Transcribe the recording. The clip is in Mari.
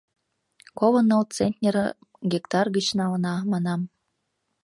Коло ныл центнерым гектар гыч налына. манам.